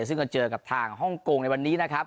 ซึ่งก็เจอกับทางฮ่องกงในวันนี้นะครับ